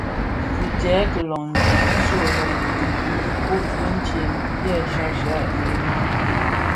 Bi djèm kilōň itsem nso lè dhipud ditsem dyè shyashyak mëyeňa.